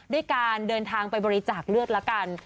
ด้วยการเดินทางไปบริจาคเลือดละกัน